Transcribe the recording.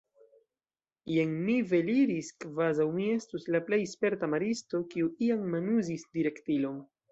Jen mi veliris kvazaŭ mi estus la plej sperta maristo, kiu iam manuzis direktilon.